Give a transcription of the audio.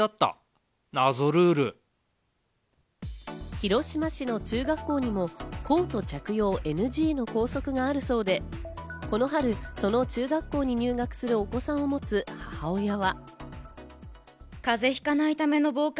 広島市の中学校にもコート着用ＮＧの校則があるそうで、この春、その中学校に入学するお子さんを持つ母親は。